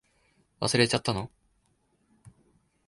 忘れちゃったの？